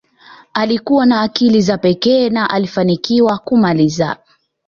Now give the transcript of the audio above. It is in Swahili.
alikuwa na akili za pekee na alifanikiwa kumaliza